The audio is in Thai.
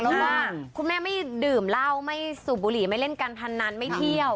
เพราะว่าคุณแม่ไม่ดื่มเหล้าไม่สูบบุหรี่ไม่เล่นการพนันไม่เที่ยว